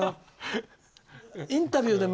インタビューでも。